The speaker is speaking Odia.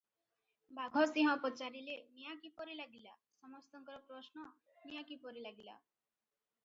ବାଘସିଂହ ପଚାରିଲେ, "ନିଆଁ କିପରି ଲାଗିଲା?" ସମସ୍ତଙ୍କର ପ୍ରଶ୍ନ - ନିଆଁ କିପରି ଲାଗିଲା?